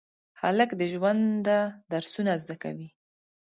هلک د ژونده درسونه زده کوي.